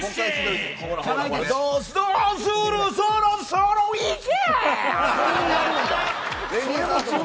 どうする、そろそろいけ。